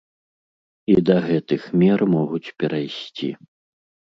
І да гэтых мер могуць перайсці.